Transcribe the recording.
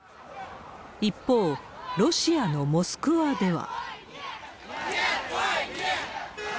一方、ロシアのモスクワでは。